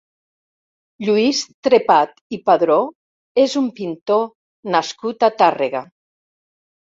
Lluís Trepat i Padró és un pintor nascut a Tàrrega.